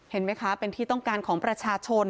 เห็นไหมคะเป็นที่ต้องการของประชาชน